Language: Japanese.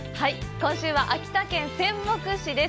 今週は秋田県仙北市です。